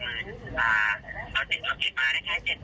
และมีการเก็บเงินรายเดือนจริง